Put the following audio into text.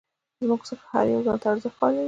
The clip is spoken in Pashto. زموږ څخه هر یو ځان ته ارزښت قایل یو.